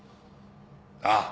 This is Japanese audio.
ああ。